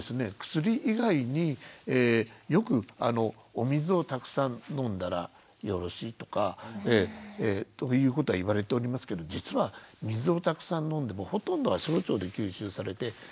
薬以外によくお水をたくさん飲んだらよろしいとかということは言われておりますけど実は水をたくさん飲んでもほとんどは小腸で吸収されて大腸には一部しかいかないので。